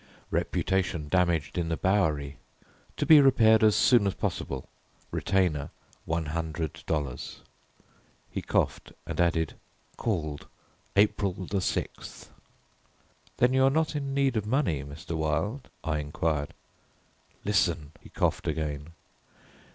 Reputation damaged in the Bowery. To be repaired as soon as possible. Retainer $100." He coughed and added, "Called, April 6th." "Then you are not in need of money, Mr. Wilde," I inquired. "Listen," he coughed again.